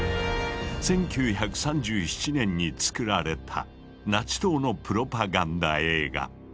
１９３７年に作られたナチ党のプロパガンダ映画。